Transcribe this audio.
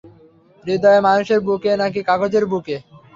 হৃদয় মানুষের বুকে নাকি কাগজের বুকে?